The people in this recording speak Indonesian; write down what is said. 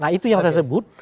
nah itu yang saya sebut